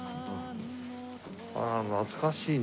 あら懐かしいね。